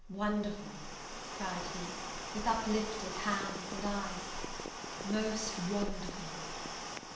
"Wonderful!" cried he, with uplifted hands and eyes, "most wonderful!"